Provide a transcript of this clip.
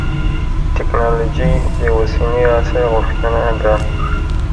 تکنالوجي د اوسني عصر غوښتنه ده.